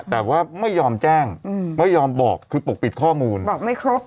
แต่ว่าไม่ยอมแจ้งไม่ยอมบอกคือปกปิดข้อมูลบอกไม่ครบ